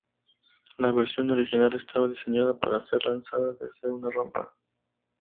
La versión original estaba diseñada para ser lanzada desde una rampa.